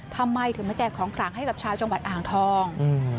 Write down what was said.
ทำไมถึงมาแจกของขลังให้กับชาวจังหวัดอ่างทอง